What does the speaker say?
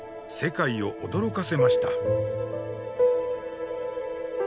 世界を驚かせました。